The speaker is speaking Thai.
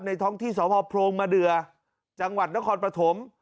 ท้องที่สพโพรงมะเดือจังหวัดนครปฐม